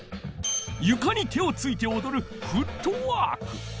ゆかに手をついておどる「フットワーク」。